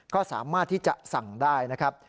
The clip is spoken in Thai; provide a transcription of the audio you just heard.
ก็สามารถที่จะสั่งได้นะครับ